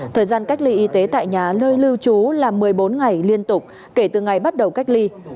thời gian cách ly y tế tại nhà nơi lưu trú là một mươi bốn ngày liên tục kể từ ngày bắt đầu cách ly